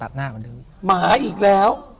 ถูกต้องไหมครับถูกต้องไหมครับ